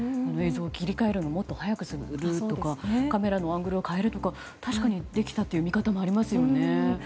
映像を切り替えるのをもっと把握するとかカメラのアングルを変えるとか確かにできたという見方もできますよね。